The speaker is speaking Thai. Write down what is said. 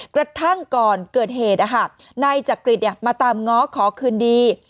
กระทั่งก่อนเกิดเหตุนายจักริตมาตามง้อขอคืนดี